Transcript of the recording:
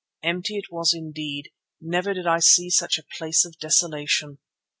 Empty it was indeed; never did I see such a place of desolation.